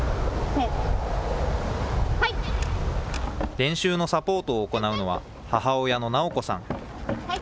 練習のサポートを行うのは、母親の尚子さん。